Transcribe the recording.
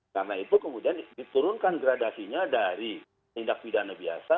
karena itu kemudian diturunkan gradasinya dari tindak pidana biasa